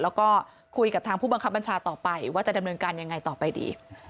แล้วก็คุยกับทางผู้บังคับบัญชาต่อไปว่าจะดำเนินการยังไงต่อไปดี